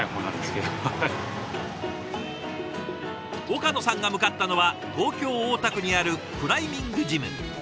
岡野さんが向かったのは東京・大田区にあるクライミングジム。